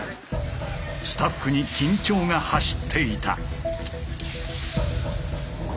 スタッフに緊張が走っていた。